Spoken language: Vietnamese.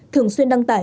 thường xuyên đăng tải